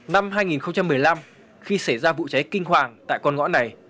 năm hai nghìn một mươi năm khi xảy ra vụ cháy kinh hoàng tại con ngõ này